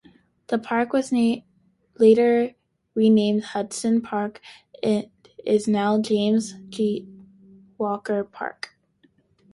The park was later renamed Hudson Park, and is now James J. Walker Park.